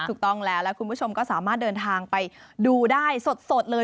ถูกต้องแล้วแล้วคุณผู้ชมก็สามารถเดินทางไปดูได้สดเลย